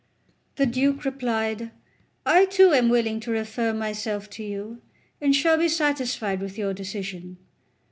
The Duke replied: "I too am willing to refer myself to you, and shall be satisfied with your decision."